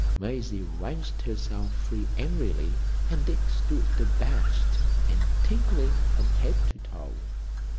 Maisie wrenched herself free angrily, and Dick stood abashed and tingling from head to toe.